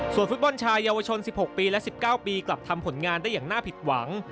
ฟุตบอลชายเยาวชน๑๖ปีและ๑๙ปีกลับทำผลงานได้อย่างน่าผิดหวัง